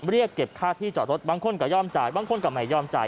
เรียกเก็บค่าที่จอดรถบางคนก็ยอมจ่ายบางคนก็ไม่ยอมจ่าย